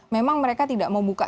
memang mereka tidak membuka